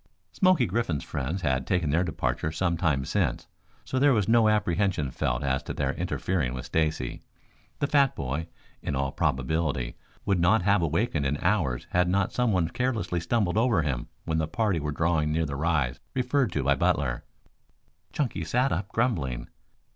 Smoky Griffin's friends had taken their departure some time since, so there was no apprehension felt as to their interfering with Stacy. The fat boy, in all probability, would not have awakened in hours had not someone carelessly stumbled over him when the party were drawing near the rise referred to by Butler. Chunky sat up grumbling.